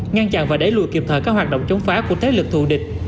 ngăn chặn và đẩy lùi kịp thời các hoạt động chống phá của thế lực thù địch